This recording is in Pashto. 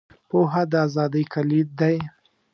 • پوهه، د ازادۍ کلید دی.